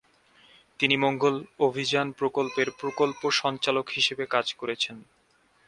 তিনি মঙ্গল অভিযান প্রকল্পের প্রকল্প সঞ্চালক হিসাবে কাজ করেছেন।